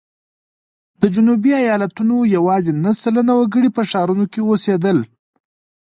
د جنوبي ایالتونو یوازې نهه سلنه وګړي په ښارونو کې اوسېدل.